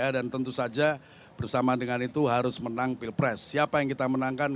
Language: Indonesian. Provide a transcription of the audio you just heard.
dan tentu saja bersama dengan itu harus menang pilpres siapa yang kita menangkan